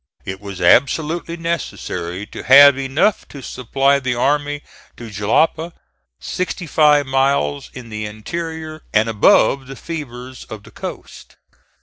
It was absolutely necessary to have enough to supply the army to Jalapa, sixty five miles in the interior and above the fevers of the coast.